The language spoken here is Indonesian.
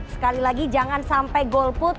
sekali lagi jangan sampai golput